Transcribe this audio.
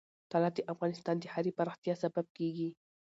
طلا د افغانستان د ښاري پراختیا سبب کېږي.